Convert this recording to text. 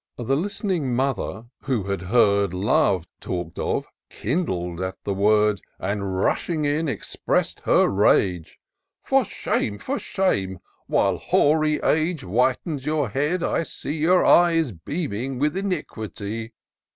The listening mother, who had heard Love talk'd of, kindled at the word ; And rushing in, expressed her rage :—" For shame ! for shame ! while hoary age Whitens your head, I see your eye Is beaming with iniquity.